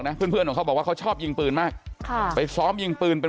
นะเพื่อนของเขาบอกว่าเขาชอบยิงปืนมากไปปุ่นเป็น